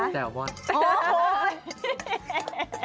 ใช่ไงคะแซลมอนโอ้โหโอ้โหโอ้โหโอ้โหโอ้โหโอ้โห